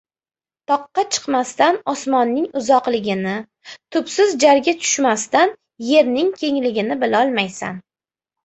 • Toqqa chiqmasdan osmonning uzoqligini, tubsiz jarga tushmasdan yerning kengligini bilolmaysan.